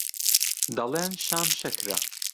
دەڵێن شام شەکرە